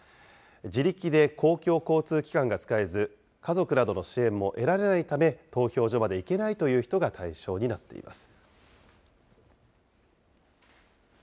自力で公共交通機関が使えず、家族などの支援も得られないため、投票所まで行けないという人が対象になっています。